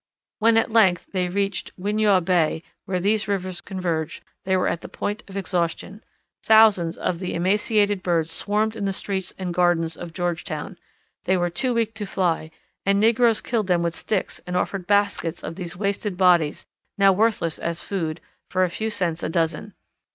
When at length they reached Winyaw Bay, where these rivers converge, they were at the point of exhaustion. Thousands of the emaciated birds swarmed in the streets and gardens of Georgetown. They were too weak to fly, and negroes killed them with sticks and offered baskets of these wasted bodies, now worthless as food, for a few cents a dozen.